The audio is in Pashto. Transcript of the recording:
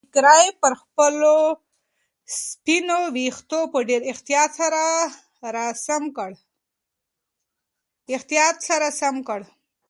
هغې ټیکری پر خپلو سپینو ویښتو په ډېر احتیاط سره سم کړ.